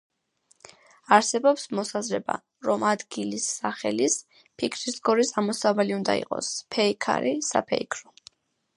არსებობს მოსაზრება, რომ ადგილის სახელის, ფიქრის გორის ამოსავალი უნდა იყოს „ფეიქარი“, „საფეიქრო“.